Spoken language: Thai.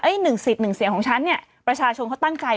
เงินสิ้นสินของฉันเนี้ย